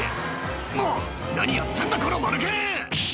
「もう何やってんだこのマヌケ！」